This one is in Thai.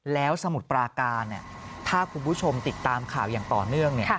แล้วสมุทรปราการถ้าคุณผู้ชมติดตามข่าวอย่างต่อเนื่อง